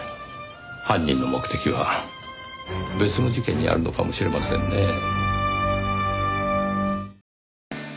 犯人の目的は別の事件にあるのかもしれませんねぇ。